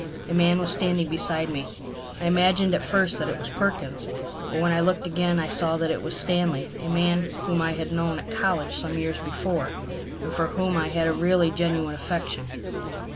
A man was standing beside me. I imagined at first that it was Perkins, but when I looked again I saw that it was Stanley, a man whom I had known at college some years before, and for whom I had a really genuine affection.